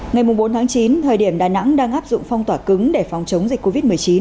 ngày bốn tháng chín thời điểm đà nẵng đang áp dụng phong tỏa cứng để phòng chống dịch covid một mươi chín